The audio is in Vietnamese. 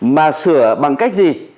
mà sửa bằng cách gì